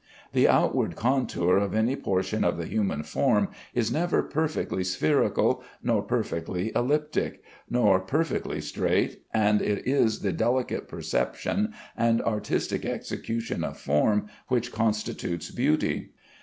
The outward contour of any portion of the human form is never perfectly spherical, nor perfectly elliptic, nor perfectly straight, and it is the delicate perception and artistic execution of form which constitutes beauty.